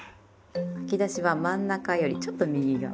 書き出しは真ん中よりちょっと右側。